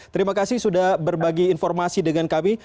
terima kasih sudah berbagi informasi dengan kami